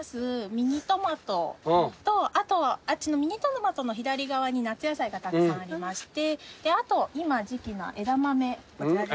ミニトマトとあとミニトマトの左側に夏野菜がたくさんありましてあと今時季の枝豆こちらです。